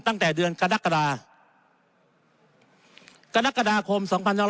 ตั้งแต่เดือนกรกฎาคม๒๖๖๔